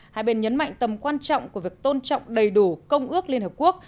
hai bên nhấn mạnh tầm quan trọng của việc tôn trọng đầy đủ công ước liên hợp quốc